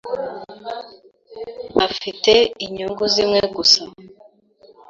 ba fi te inyungu zimwe gusa